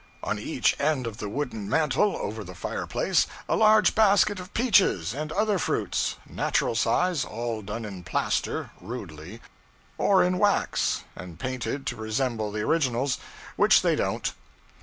On each end of the wooden mantel, over the fireplace, a large basket of peaches and other fruits, natural size, all done in plaster, rudely, or in wax, and painted to resemble the originals which they don't.